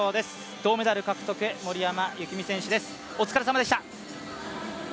銅メダル獲得、森山幸美選手です、お疲れさまでした！